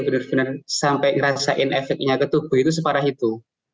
benar benar sampai ngerasain efeknya ketubuh itu separah itu